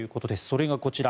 それがこちら。